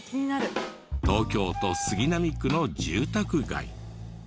東京都杉並区の住宅街。